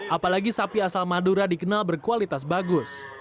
apalagi sapi asal madura dikenal berkualitas bagus